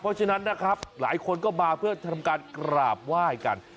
เพราะฉะนั้นนะครับหลายคนก็มาเพื่อทำการกราบไหว้กัน